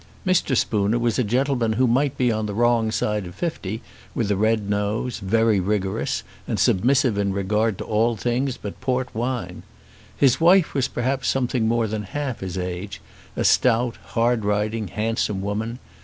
Mr. Spooner was a gentleman who might be on the wrong side of fifty, with a red nose, very vigorous, and submissive in regard to all things but port wine. His wife was perhaps something more than half his age, a stout, hard riding, handsome woman.